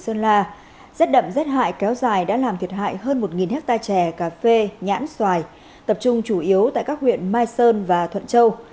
sơn la rét đậm rét hại kéo dài đã làm thiệt hại hơn một hectare chè cà phê nhãn xoài tập trung chủ yếu tại các huyện mai sơn và thuận châu